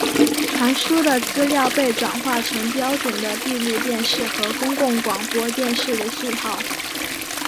传输的资料被转换成标准的闭路电视和公共广播电视的讯号。